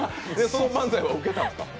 その漫才はウケたんですか？